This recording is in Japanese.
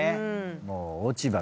もう。